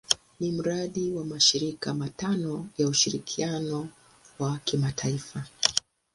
Ni mradi wa mashirika matano ya ushirikiano wa kimataifa.